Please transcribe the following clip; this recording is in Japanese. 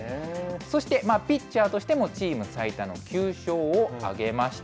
そしてピッチャーとしてもチーム最多の９勝を挙げました。